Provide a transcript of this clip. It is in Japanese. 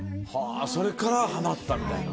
それからハマったみたいな。